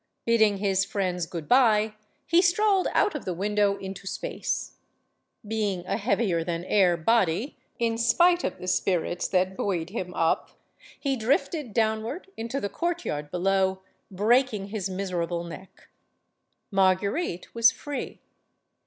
Bidding his friends good by, he strolled out of the window into space. Being a heavier than air body, in spite of the spirits that buoyed him up, he drifted downward into the courtyard below, breaking his miserable neck. Marguerite was free.